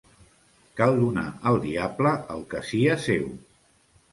Cal donar al diable el que sia seu.